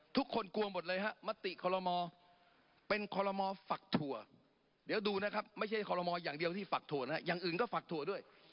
ทุกคนกลัวหมดเลยฮะมติคอลโมเป็นคอลโลมอฝักถั่วเดี๋ยวดูนะครับไม่ใช่คอลโมอย่างเดียวที่ฝักถั่วนะฮะอย่างอื่นก็ฝักถั่วด้วย